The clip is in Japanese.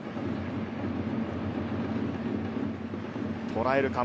とらえるか？